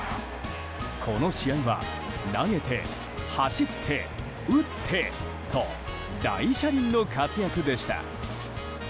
この試合は投げて走って打ってと大車輪の活躍でした。